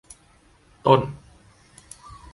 ต้น